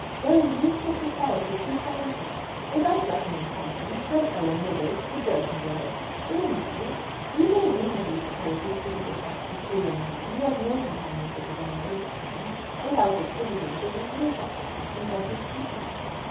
There is youthful society to be found here. Without reckoning Constance, there's Owen Rivers, the Burton girls, little May we may reasonably suppose this to be attractive to a young man who has no companions of his own age at home, without attributing to him any such intentions as you speak off.